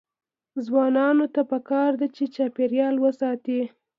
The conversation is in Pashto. ځوانانو ته پکار ده چې، چاپیریال وساتي.